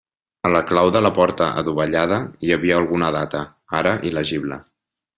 A la clau de la porta adovellada, hi havia alguna data, ara il·legible.